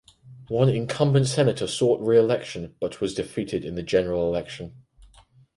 One incumbent senator sought reelection but was defeated in the general election.